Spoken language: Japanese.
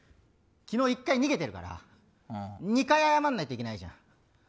昨日１回逃げてるから２回謝らないといけないじゃん。